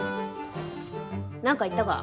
なんか言ったか？